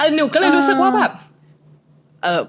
หนูก็เลยรู้สึกว่าแบบ